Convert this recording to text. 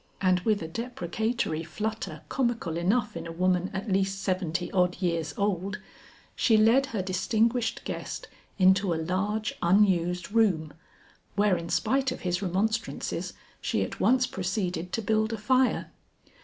And with a deprecatory flutter comical enough in a woman at least seventy odd years old, she led her distinguished guest into a large unused room where in spite of his remonstrances she at once proceeded to build a fire.